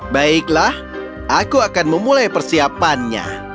baiklah aku akan memulai persiapannya